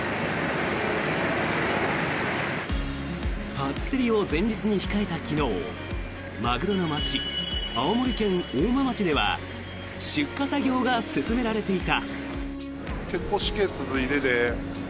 初競りを前日に控えた昨日マグロの街、青森県大間町では出荷作業が進められていた。